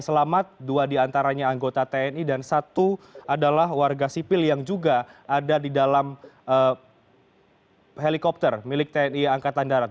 selamat dua diantaranya anggota tni dan satu adalah warga sipil yang juga ada di dalam helikopter milik tni angkatan darat